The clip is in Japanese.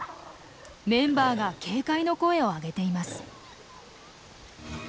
メンバーが警戒の声を上げています。